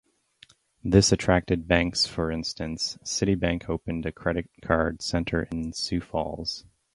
This attracted banks: for instance, Citibank opened a credit card center in Sioux Falls.